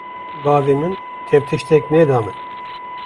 bavê min tew tiştek ne da min